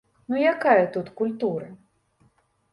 Ну якая тут культура?